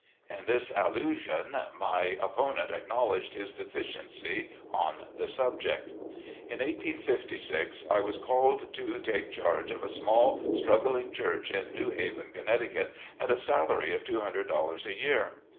'" In this allusion my opponent acknowledged his deficiency on the subject. In 1856, I was called to take charge of a small struggling church in New Haven, Connecticut, at a salary of two hundred dollars a year.